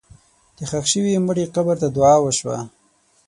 د ښخ شوي مړي قبر ته دعا وشوه.